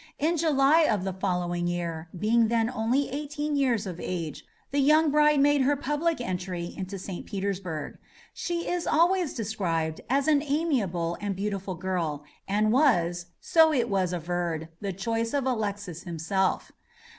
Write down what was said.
In July of the following year, being then only eighteen years of age, the young bride made her public entry into St. Petersburg. She is always described as an amiable and beautiful girl, and was, so it is averred, the choice of Alexis himself.